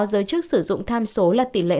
giới chức sử dụng tham số là tỷ lệ